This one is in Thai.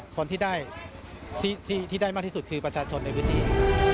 คนที่ได้มาที่สุดคือประชาชนในวิธี